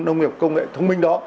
nông nghiệp công nghệ thông minh đó